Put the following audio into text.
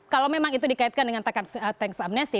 kalau memang itu dikaitkan dengan teks amnesty